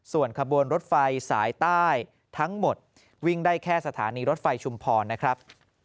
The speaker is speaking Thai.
ส่วนขบวนรถไฟสายใต้ทั้งหมดวิ่งได้แค่สถานีรถไฟชุมพรนะครับ